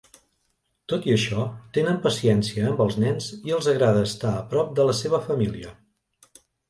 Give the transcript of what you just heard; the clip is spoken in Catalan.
Tot i això, tenen paciència amb els nens i els agrada estar a prop de la seva família.